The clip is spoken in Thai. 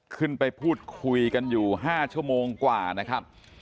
ขึ้นไปพูดคุยกันอยู่๕ชั่วโมงกว่านะครับ